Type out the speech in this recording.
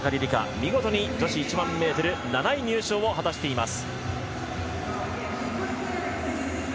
見事に女子１００００ｍ７位入賞を果たしています。